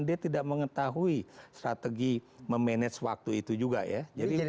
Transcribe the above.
dia tidak mengetahui strategi memanage waktu itu juga ya